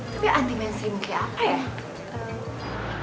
tapi anti mainstream kayak apa ya